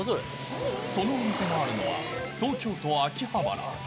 そのお店があるのは、東京都秋葉原。